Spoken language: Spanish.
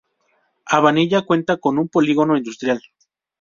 Abanilla cuenta con un polígono industrial.